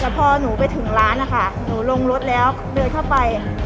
แต่พอหนูไปถึงร้านนะคะหนูลงรถแล้วเดินเข้าไป